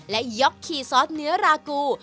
และยกคีย์ซอสเนื้อรากู